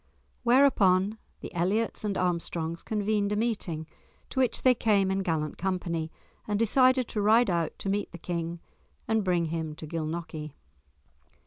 Whereupon the Elliots and Armstrongs convened a meeting, to which they came in gallant company, and decided to ride out to meet the King and bring him to Gilnockie.